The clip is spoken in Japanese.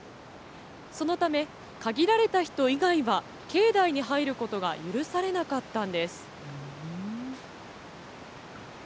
そのため、限られた人以外は、境内に入ることが許されなかったんです。